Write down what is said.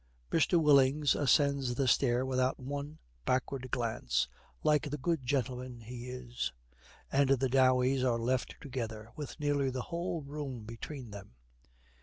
Mr. Willings ascends the stair without one backward glance, like the good gentleman he is; and the Doweys are left together, with nearly the whole room between them.